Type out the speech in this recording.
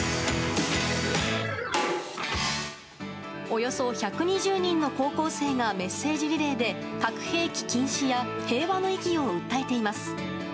およそ１２０人の高校生がメッセージリレーで核兵器禁止や平和の意義を訴えています。